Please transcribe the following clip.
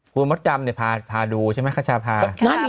คุณมธรรมเนี่ยพาดูใช่ไหมข้าชาพา